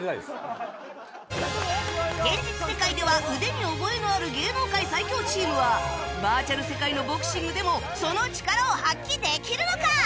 現実世界では腕に覚えのある芸能界最強チームはバーチャル世界のボクシングでもその力を発揮できるのか！？